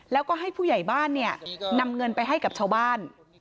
แล้วก็ให้ผู้ใหญ่บ้านเนี่ยนำเงินไปให้กับชาวบ้าน